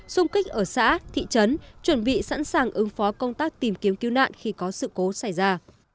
xung kích ở xã thị trấn chuẩn bị sẵn sàng ứng phó công tác tìm kiếm cứu nạn khi có sự cố xảy ra